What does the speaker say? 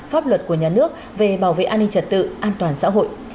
pháp luật của nhà nước về bảo vệ an ninh trật tự an toàn xã hội